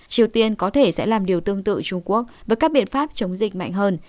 triều tiên có thể sẽ làm điều tương tự trung quốc với các biện pháp chống dịch mạnh hơn